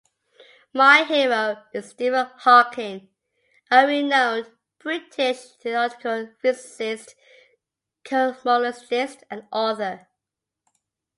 My hero is Stephen Hawking, a renowned British theoretical physicist, cosmologist, and author.